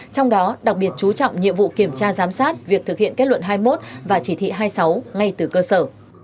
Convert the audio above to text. trong đó đặc biệt chú trọng nhiệm vụ kiểm tra giám sát việc thực hiện kết luận hai mươi một và chỉ thị hai mươi sáu ngay từ cơ sở